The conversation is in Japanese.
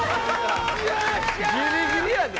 ギリギリやで？